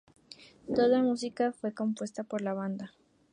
Toda la música fue compuesta por la banda.